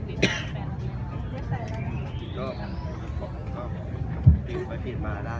แม่กับผู้วิทยาลัย